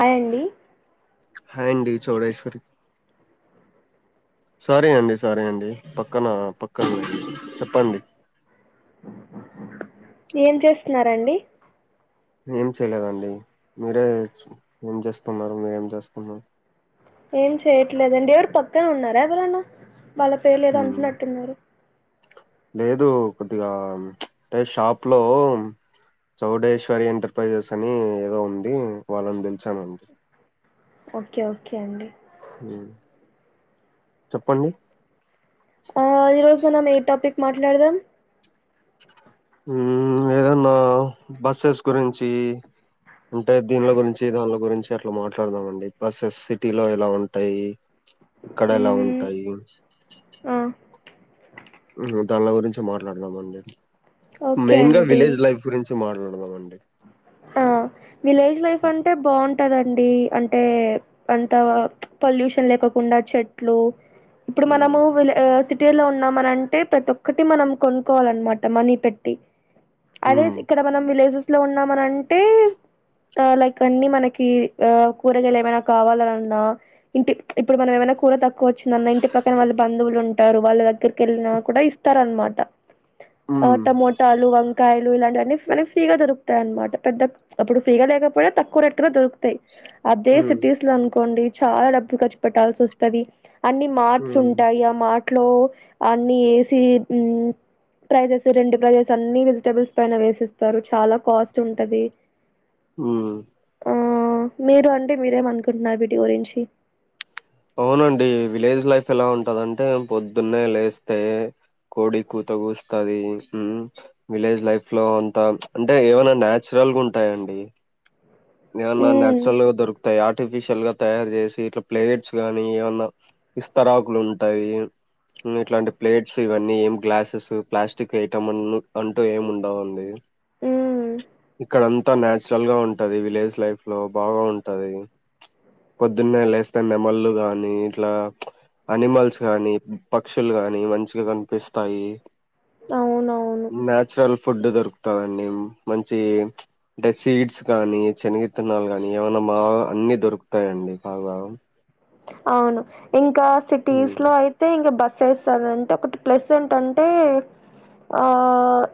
Hi అండి hi ఆండీ Chowdeshwari sorry అని సారి అండి పక్కన పక్కన చేపండి ఏం చేస్తున్నారండి ఏం చేయలేదండి మీరే ఏం చేస్తున్నారు ఏం చేస్తున్నారు ఏం చేయట్లేదండి ఎవరు పక్కన ఉన్నారా ఎవరన్నా వాల్ల పేరులేదో మ్మ్ అంటునట్టున్నారు లేదు కొద్దిగా అంటే షాప్ లో చౌడేశ్వరి ఎంటర్ప్రైజెస్ అని ఏదో ఉంది వాళ్ళని తె చానండి ఓకే ఓకే అండి మ్.. చెప్పండి ఆ ఈరోజు మనం ఎ టాపిక్ మా ట్లాడదాం మ్... ఏదన్నా బస్సెస్ గురించి అంటే దీనిల గురించి దానిల గురించి చి అట్లా మాట్లాడదామండి బస్సెస్ సిటీ లో ఎలా ఉంటాయి ఇక్కడ ఎలా మ్మ్ ఉంటాయి ఆ దాన్ల గురించి మాట్లాడదామండి ఓకే మెయిన్ గా అండి విలేజ్ లైఫ్ గురించి మాట్లాడదామండి ఆ విలేజ్ లైఫ్ అంటే బావుంటద ఆండీ అంటే అంత పొల్యూషన్ లేకొకుండా చెట్లు ఇప్పుడు హ్మ్. మనము విలె ఆ.. సిటీ లో ఉన్నామని అంటే ప్రతి ఒక్కటి మనం కొనుక్కోవాలన్నమాట మనీ పెట్టి హ్మ్. అదే ఇక్కడ మనం విలేజెస్ ఇంట్లో ఉన్నామనంటే లైక్ అన్ని మనకి కూరగాయలు ఏమైనా కావాలన్నా ఇంటి ఇప్పుడు మనం ఏమైనా కూర తక్కువ వచ్చ మనం ఇంటిక్కన వాళ బంధవులు ఉంట టారు వాళ్ళ దగ్గరకెళ్ళిన కూడా ఇస్తార అనమాట హ్మ్. టమోటో ఆలూ వం కాయలు ఇలాంటివన్నీ మనకి ఫ్రీగా దొరుకు తాయి అనమాట పెద్ద అప్పుడు ఫ్రీ గలేకపోయినా తక్కువ రెట్ గా దొరుకుతాయి అదే హ్మ్. సిటీస్ లో అనుకోండి చాలా డబ్బు ఖర్చు పెట్టాల్సొస్తది అన్ని మార్ట్స్ హ్మ్. ఉంటాయి ఆ మార్ట్స్ ఇట్లో అన్ని ఏసీ ప్రైజెస్ రెండు ప్రైజెస్ అన్నీ వెజిటబుల్స్ పైన వేసెస్తారు చాలా కాస్ట్ ఉంటది మ్ మ్ మీరు అండి మీరేమనుకుంటున్నారు వీటి గురించి అవునండి. విలేజ్ లైఫ్ ఎలా ఉంటదంటే పొద్దున్నే లేస్తే కోడి కూత కూస్తది విలేజ్ లైఫ్ లో అంతా అంటే ఏమన్నా నాచురల్గా ఉంటాయండి ఏమన్నా మ్ నేచురల్గా దొకుతాయి ఆర్టిఫిషిల్ ల్ గా తయారు చేసి ఇట్ల ప్లేట్స్ గానీ ఏమన్నా విస్తరాకులు ఉంటాయి ఇట్లాంటి ప్లేట్స్ ఇవన్నీ ఏం గ్లాసెస్ ప్లాస్టిక్ ఐటమ్ అంటూ ఏమి ఉండవండి మ్ ఇక్కడ అంతా తా నేచురల్గా ఉంట ఉంటది విలేజ్ లైఫ్ లో బాగా ఉంటది పొద్దున్నే లేస్తే నెమల్లు గాని ఇట్లా అనిమల్స్ గాని పక్షులు గాని మంచిగా కనిపిస్తాయి అవునవును నేచురల్ ఫుడ్ దరుకు తాది అండి మంచి అంటే సీడ్స్ గానీ శనగిత్తనాలు గాని ఏమన్నా బాగా అన్ని దొరుకుతాయంండి బాగా. అవును ఇం కా సిటీస్ హ్మ్ లో అయితే ఇంకా బస్ చేస్తార అంటే ఒకటి ప్లస్ ఏంటంటే ఆ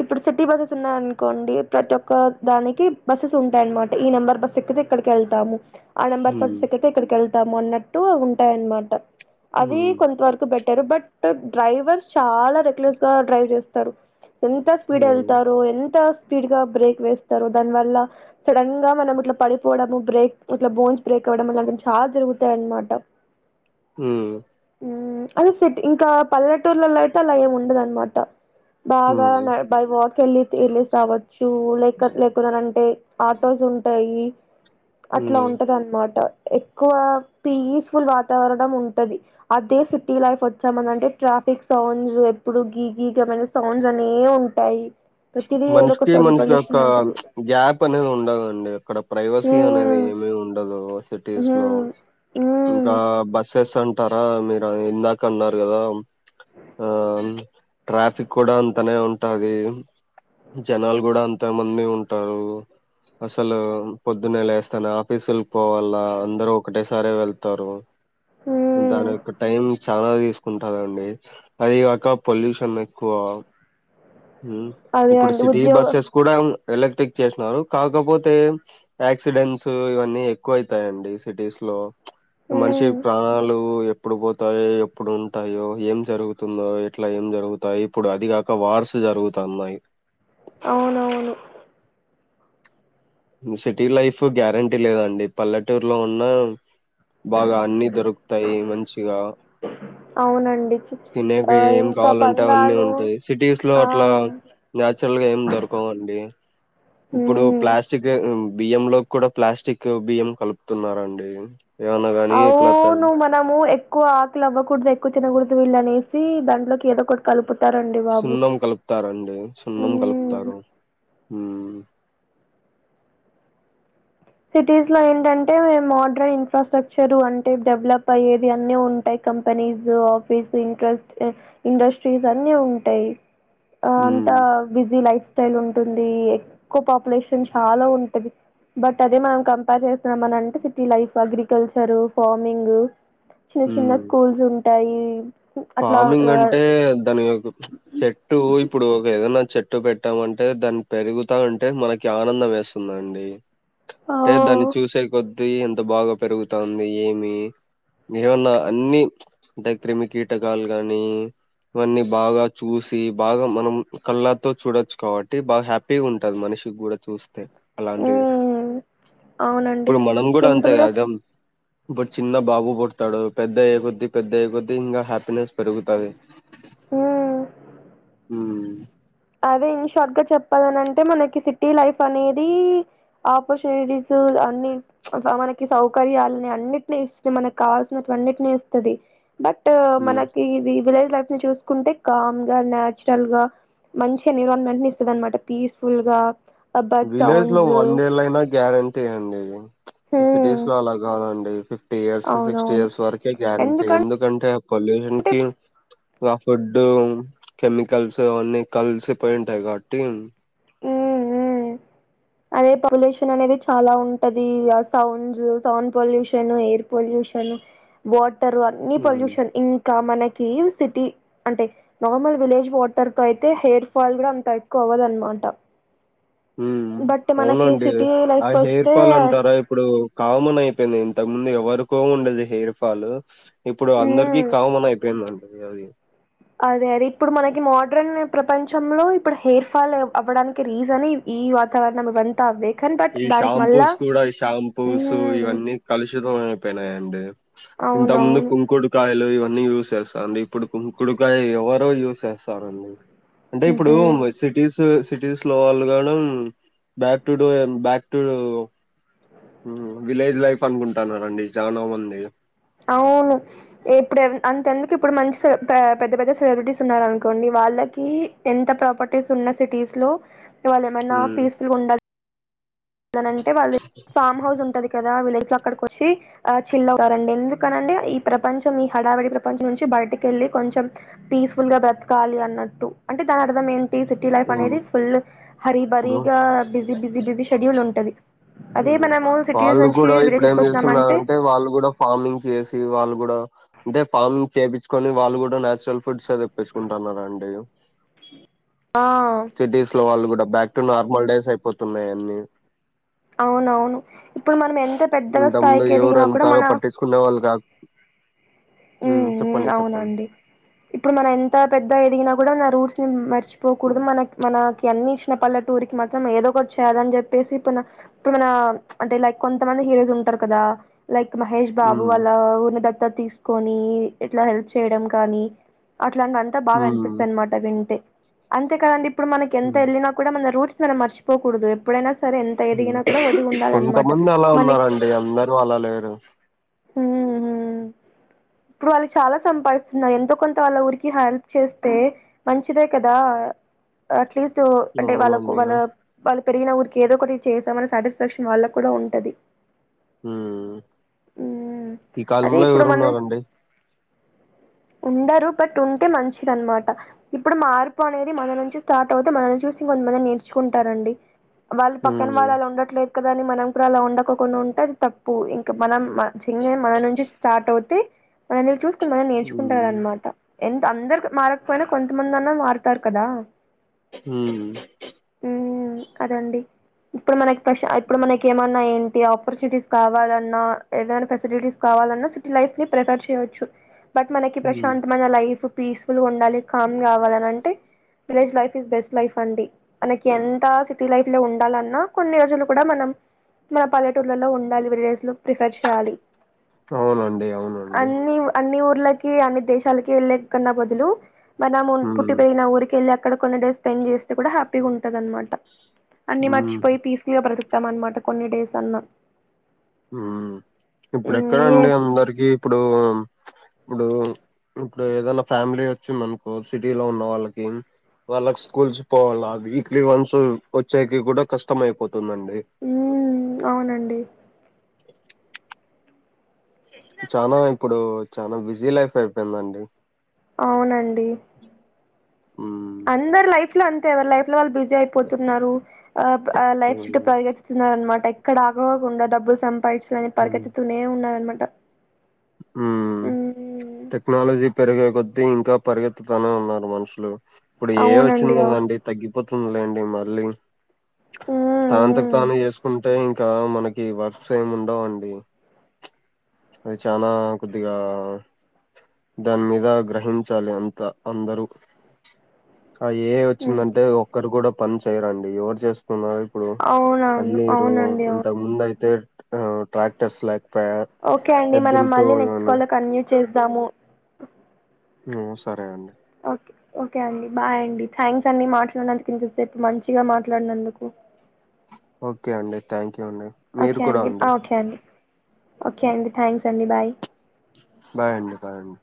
ఇప్పుడు సిటీ బస్ెస్ ఉన్నాయ అనుకోండి ప్రతి ఒక్క దానికి బస్సెస్ ఉంటాయనమాట ఈ నెంబర్ బస్ ఎక్కితే ఇక్కడికి వెళ్తాము ఆ నంబర్ బస్ హ్మ్ ఎకితే ఇక్కడకి ఎల్ తాము ఆన్ టు ఉంటాయన్నమాట అవి హ్మ్ కొంత వరకు బె టర్ బట్ డ్రైవర్ చాలా రెకలెట్ గా డ్రైవ్ చేస్తారు ఎంత స్పీడ్ హ్మ్ వెళ్తారు ఎంత స్పీడ్ గా బ్రేక్ వేస్తారు దాని వల్ల సడన్ గా మనం ఇట్లా పడిపోవడం బ్రేక్ ఇట్లా బోన్స్ బ్రేక్ అవ్వడం చాలా జరుగుతాయి అనమా టా హ్మ్ ఉమ్ అదే సెట్ ఇంకా పల్లెటూర్లలో అయితే అలా ఏమి ఉండదు అనమాట బాగా హ్మ్ నా బై వాక్ వెళ్ళి వేళ్లిసి రావచ్చు లేక లేకున్నాంటే ఆటోస్ ఉంటాయి. అట్లా హ్మ్ ఉంటది అన్నమాట. ఎక్కువ పీ ఫుల్ వాతావరణం ఉంటది. అదే సిటీ లైఫ్ వచ్చామని అంటే ట్రాఫిక్ సౌండ్స్ ఎప్పుడు గీ గీగమైన సౌండ్స్ అనే ఉంటాయి. ప్రతిదీ ఏదో ఒక మనిషకి సౌండ్ మనిషి యొక్క పొల్యూషన్ ఉంటది. గ్యాప్ అనేది ఉండదండి అక్కడ ప్రైవసీ అనేది హ్మ్. ఏమి ఉండదు సిటీస్ లో హ్మ్. హ్మ్. కా బస్సెస్ అంటారా మీరు ఇందాక అన్నారు కదా ఆ ట్రాఫిక్ కూడా అంతనే ఉంటది. జనాలు కూడా అంత మంది ఉంటారు. అసలు పొద్దున్నే లేస్తానే ఆఫీసుకి పోవల్ల అందరు ఒకటే సారి వెళ్తారు. హ్మ్. దాని యొక్క టైం చాలా తీసుకుంటానండి అది కాక పొల్యూషన్ ఎక్కువ ఉం అదే ఇప్పుడు అండి సిటీ ఉద్యోగ బస్సెస్ కూడా ఎలక్ట్రిక్ చేసినారు కాకపోతే యాక్సిడెంట్స్ ఇవన్నీ ఎక్కువ అవుతాయండి సిటీస్ లో మనిషి హ్మ్. ప్రాణాలు ఎ ప్పుడు పోతాయో ఎప్పుడుంటాయో ఏం జరుగుతుందో ఇట్లా ఏం జరుగుతాయి ఇప్పుడు అది కాక వార్స్ జరుగుతన్నాయి. అవునవును సిటీ లైఫ్ గ్యారంటీ లేదండి పల్లెటూరులో ఉన్న బాగా అన్ని దొరుకుతాయి మంచిగా అవునండి తినేకి ఆ ఏం ఇంకా కావాలంటే అవన్నీ పందాలు ఉంటాయి సిటీస్ లో ఆ అట్లా నాచురల్ గా ఏం దొరకవండి. ఇప్పుడు హ్మ్ ప్లాస్ బియ్యం లో కూడా ప్లాస్టిక్ బియ్యం కలుపుతున్నరూ అండి అవును మనము ఎక్కువ ఆకులి అవ్వకూడదు ఎక్కువ తిన వీళ్ళనేసి దంట్లోకి ఏదో ఒకటి కలు సున్నం కలుపుతారండి సున్నం హ్మ్ కలుపుతారు మ్మ్ సిటీస్ లో ఏంటంటే మోడ్రన్ ఇన్ఫ్రాస్ట్రక్చర్ అంటే డెవలప్ అయ్యేది అన్నీ ఉంటాయి కంపెనీస్ ఆఫీస్ ఇ ఇండస్ట్రీస్ అన్ని ఉంటాయి ఆ ఉమ్ అంతా బిజీ లైఫ్ స్టైల్ ఉంటుంది ఎక్కువ పాపులేషన్ చాలా ఉంటది బట్ అదే మనం కంపేర్ చేస్తున్నాం అని అంటే సిటీ లైఫ్ అగ్రికల్చర్ ఫార్మింగ్ చిన్న చిన్న ఉమ్ స్కూల్స్ ఉంటాయి అట్లా ఫార్మింగ్ అంటే దాని చెట్టు ఇప్పుడు ఒక ఏదన చెట్టు చెట్టు పెట్టామంటే దాన్ని పెరుగుతా ఉంటే మనకి ఆనందం వేస్తుందండి ఆ ఐతే దాన్ని చూసే కొద్ ఎంత బాగా పెరుగుతుంది ఏమి ఏమన్నా అన్ని ద క్రిమిక కిటకాలు గాని ఇవన్నీ బాగా చూసి బాగా మనం కళ్ళతో చూడొచ్చు కాబట్టి బాగా హ్యాపీగా ఉంటది మనిషికి కూడా చూస్తే అలాంటివి మ్మ్ అవునండి ఇప్పుడు మనం కూడా అంతే సింపుల్గా కదాం బట్ చిన్న బాబు పుడతాడు పెద్దయ్యే కొద్ది పెద్దయ్యే కొద్ది తింగ హట్ పనెస్ పెరుగుతాంది ఊ అదే ఇన్షార్ట్ గా చెప్పాలనంటే మనకి సిటీ లైఫ్ అనేది ఆపర్చునిటీస్ అన్ని మనకి సౌకర్యాలని అన్నింటిని ఇస్తు మనకి కావాల్సినటు అన్నింటిని ఇస్తుంది బట్ ఉమ్ మనకి ఇది విలేజ్ లైఫ్ చూసుకుంటే కామ్ గా నాచురల్ గా మంచి ఎన్విరాన్మెంట్ ని ఇస్తుద అనమాట పీస్ఫుల్ గా ఆ బర్డ్ విలేజ్ లో సౌండ్స్ వందేళ్ళ అయినా గ్యారెంటీ అండి హ్మ్ సిటీస్ లో అలాగా కదండి ఫటీ ఇయర్స్ కి సిక్స్టీ అవునవును ఇయర్స్ వరకే గ్యారంటీ ఎందుకంటే పొల్యూషన్ కి ఆ ఫుడ్ కెమికల్స్ అన్నీ కలిసిపోయి ఉంటాయి కాబట్టి ఊ ఊ అదే పొల్యూషన్ అనేది చాలా ఉంటది sounds sound pollution air pollution water అన్ని ఉమ్ పొల్యూషన్ ఇంకా మనకి సిటీ అంటే నార్మల్ విలేజ్ వాటర్ తో అయితే హెయిర్ ఫాల్ కూడా అంత ఎక్కువ అవ్వదు అన్నమాట ఊ అవునండి ఆ హెయిర్ వస్తే ఫాల్ అంటారా ఇప్పుడు కామన్ అయిపోయింది ఇంతకు ముందు వరకో ఉండదు హెయిర్ ఫాల్ ఇప్పుడు అందరికీ మ్మ్ కామన్ అయిపోయిందండి కొద్దిగది అదే అదే ఇప్పుడు మనకి మోడ్రన్ ప్రపంచంలో ఇప్పుడు హెయిర్ ఫాల్ అవ్వడానికి రీజన్ ఈ వాతావరణం ఇవంతా అవే కానీ బట్ ఈ దానికి మళ్ళా షాంపూస్ కూడా ఈ షాంపూస్ మ్మ్ ఇవన్నీ కలుషితం అయిపోయినాయండి ఇంత ముందు అవునవును కుంకుడుకాయలు ఇవన్ అన్ని యూజ్ చేస్తాడి ఇప్పుడు కంకుడుకాయ ఎవరో యూజ్ చేస్తారండి అంటే మ్మ్ ఇప్పుడు హ్మ్ సిటీస్ సిటీస్ లో వాళ్ళు గానుం బ్యాక్ టు డు ఎం బ్యాక్టు మ్ విలేజ్ లైఫ్ అనుకుంటన్నారండి చాలా మంది అవును ఇప్పుడు అంతెందుకు ఇప్పుడు మంచి పే-పెద్ద పెద్ద సెలూరిటీస్ ఉన్నారనుకోండి వాళ్ళకి ఎంత ప్రాపర్టీస్ ఉన్న సిటీస్ లో వల్లెమ్మన్న ఉమ్ పీస్ ఫుల్ గా ఉండాల్ లంటే వాళ్ళు ఫామ్ హౌస్ ఉంటది కదా విలేజ్ కి అక్కడికొచ్చి ఆ చిల్ అవుతారండి ఎందుకని అంటే ఈ ప్రపంచం ఈ హడావడి ప్రపంచం నుంచి బయటకెళ్ళి కొంచెం పీస్ఫుల్ గా బ్రతకాలి అన్నట్టు అంటే దాని అర్థం ఎం సిటీ లైఫ్ ఉమ్, అనేది ఫుల్ హరి బరిగా బిజి బిజి బిజి మ్ వాళ్ళు నుంచి కూడా ఇప్పుడు విలేజెస్ ఏం కి వచ్చినామంటే చేస్తున్నారంటే వాళ్ళు కూడా ఫార్మింగ్ చేసి వాళ్ ళ్ళు కూడా అంటే ఫార్మింగ్ చెప్పిచుకొని వాళ్ళు కూడా న్యాచురల్ ఫుడ్సే తెప్పించుకుంటన్నారండి ఆ సిటీస్ లో వాళ్ళు కూడా బ్యాక్ టు నార్మల్ డేస్ అయిపోతున్నాయి అన్నీ అవునవును ఇప్పుడు మనం ఎంత పెద్దగా ఇంత ముందు స్థాయికి ఎవరు ఎదిగినా కూడా అంతగా మన పట్టించుకునే వాళ్ళు కాదు ఉమ్ ఉమ్ చెప్పండి చెప్పండి అవునండి ఇప్పుడు మనం ఎంత పెద్ద ఎదిగినా కూడా న రూట్స్ ని మర్చిపోకూడదు మన మనకి అన్ని ఇచ్చిన పల్లెటూర్ కి మాత్రం ఏదో ఒకటి చేయాలి అని చెప్పేసి ఇప్పుడు ఇప్పుడు మన అంటే లైక్ కొంతమంది హీరోస్ ఉంటారు కదా లైక్ మహేష్ బాబు ఉమ్ వాళ్ల ఊరినీ దత్తత్ తీస్ కొని ఇట్ల హెల్ప్ చేయడం కానీ అట్లాంటివంత బాగా ఉమ్ అనిపిస్తది అనమాట వింటే అంతే కదండి ఇప్పుడు మనకి ఎంత ఉమ్ ఎళ్ళినా కూడా మన రూట్స్ ట్స్ మనం మర్చిపోకూడదు ఎప్పుడైన స సరే ఎంత ఉమ్ ఎదిగినా కూడా ఒదిగి ఉండాలన్నమాట కొంతమంది అలా మనక్ ఉన్నారండి అందరూ అలా లేరు హు హు ఇప్పుడు వాళ్ళు చాలా సంపాదిస్తున్నారు ఎంతో కొంత వాళ్ళ ఊరికి హెల్ప్ చేస్తే మంచిదే కదా అట్లీస్ట్ సో అంటే వాళ్ళకు అవునండి వాళ్ళ ఆ. వాళ్ళ పెరిగిన ఊరికి ఏదో ఒకటి చేసామని సాటిస్ఫాక్షన్ వాళ్ళకు కూడా ఉంటది ఉమ్ హ్మ్. ఈ అదే కాలంలో ఇప్పుడు మనం ఎవరున్నారండి ఉండరు బట్ ఉంటే మంచిదనమాట ఇప్పుడు మార్పు అనేది మన నుంచి స్టార్ట్ అవుతే మనల్ని చూసి ఇంకొంతమంది నేర్చుకుంటారండి వాళ్ళు ఉమ్ పక్కన వాళ్ళు అలా ఉండట్లేదు. పక్కదాని మనం కూడా అలా ఉండక పోతే తప్పు ఇంకా మనం చిన్నగా మన నుంచి స్టార్ట్ అవుతే, [unintelligible] మనం ఉమ్ నేర్చుకుంటారన్నమాట. ఎంత అందరూ మారకపోయినా కొంతమంది అన్నా మారుతారు కదా. హ్మ్! హ్మ్ అదండి. ఇప్పుడు, మనకి ఇప్పుడు మనకి ఏమన్నా ఏంటి ఆపర్చునిటీస్ కావాలన్నా, ఏదైనా ఫెసిలిటీస్ కావాలన్నా సిటీ లైఫ్ కి ప్రిఫర్ చేయవచ్చు. బట్ మనకి ఉమ్ ప్రశాంతమైన లైఫ్ పీస్ఫుల్గా ఉండాలి కామ్ కావాలని అంటే village life is best life అండి. మనకి ఎంత సిటీ లైఫ్ లో ఉండాలన్నా కొన్ని రోజులు కూడా మనం మన పల్లెటూర్లలో ఉండాలి విలేజ్ లో. అవునండి, అవును. అన్నీ, అన్నీ ఇలకి అన్ని దేశాలకి వెళ్ళే కన్నా బదులు. మనము ఉమ్ పుట్టి పెరిగిన ఊరికి వెళ్ళాం. ఇక్కడ కొన్ని డే స్పెండ్ చేస్తే కూడా హ్యాపీగా ఉంట. ఉంటదన్మాట అన్నీ ఉమ్ మర్చిపోయి పీస్ఫుల్గా బ్రతుకు. టం అన్నమాట కొన్ని డేస్ అన్నా. ఉమ్, మ్మ్ ఇప్పుడెక్కడ మీరే అండి అందరికి ఇప్పుడు. ఇప్పుడు ఇప్పుడు ఏదైనా ఫ్యామిలీ వచ్చిందినుకో సిటీ లో ఉన్న వాళ్ళకి వాళ్ళకి స్కూల్స్ పోవాల వీక్లీ వన్స్ వచ్చేకి కూడా కష్టం అయిపోతుంది. హ్మ్ హూ! అవునండి. చాలా ఇప్పుడు. చాల బిజీ లైఫ్ అయిపోయిందండి. అవునండి. మ్! అందర్ లైఫ్ లో అంతే ఎవర్ లైఫ్ లో వాళ్ళ బిజి. బిజి అయిపోతున్నారు ఆ లైఫ్ చుట్ట పరిగేస్తున్నారు అన్నమాట. ఎక్కడ ఆగవో గుండె డబ్బులు సంపాయిచ్ ఇట్లనే పరిగెత్తుతూనే ఉన్నారన్నమాట. హ్మ్ హూ! మ్మ్ కొద్ది, ఇంకా పరిగెత్తుతూనే ఉన్నారు మనుషులు. ఇప్పుడు ఏఐ వచ్చింది అవునండి కదా అవును అండి, తగ్గిపోతుంది లేండి. మళ్ళీ! మ్మ్ తానంతకుతనే చేసుకుంటే ఇంకా! ఇంకా మనకి వర్క్స్ ఏమి ఉండవండి. అది చానా కొద్దిగా దాని మీద గ్రహించాలి అంతా అందరు. ఆ ఏఐ మ్మ్ మ్మ్ వచ్చిందంటే ఒక్కరు కూడా పని చేయరండి ఎవరు చేస్ తున్నారు ఇప్పుడు అవునవును అన్నీరు అవునండి అవును ఇంతకు ముందైతే ఆ ట్రాక్టర్స్ లేకపాయ ఓకే అండి మనం ఎద్దులతో మళ్ళీ నెక్స్ట్ ఇవన్నీ కాల్లో కంటిన్యూ చేద్దాము. ఉమ్ సరే అండి. ఓకే అండి. బాయ్ అండి. థ్యాంక్స్ అన్ని మాట్లాడినందుకు, ఇంతసేపు మంచిగా మాట్లాడినందుకు. ఓకే అండి థ్యాంక్ యూ అండి మీరు ఓకే కూడా అండి. ఆ ఓకే అండి. ఓకే అండి థ్యాం క్స్ అండి బాయ్. బాయ్ అండి. బాయ్అండి.